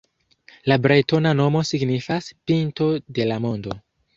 La bretona nomo signifas “pinto de la mondo”.